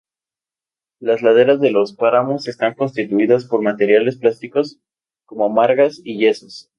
Las laderas de los páramos están constituidas por materiales plásticos como margas y yesos.